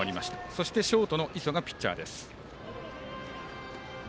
そしてショートの磯がピッチャーです。